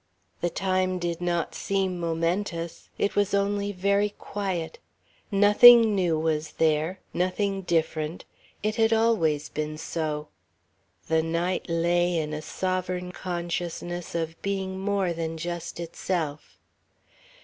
The time did not seem momentous. It was only very quiet. Nothing new was there, nothing different. It had always been so. The night lay in a sovereign consciousness of being more than just itself.